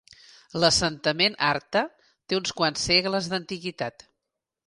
L'assentament Arta té uns quants segles d'antiguitat.